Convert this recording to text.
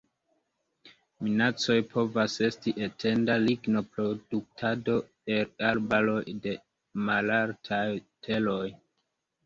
Minacoj povas esti etenda lignoproduktado el arbaroj de malaltaj teroj.